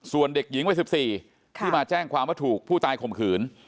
ส่วนเด็กหญิงวัย๑๔ที่มาแจ้งความว่าถูกผู้ตายข่มขืน